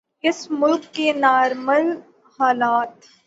اس ملک کے نارمل حالات۔